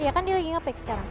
iya kan dia lagi ngopi sekarang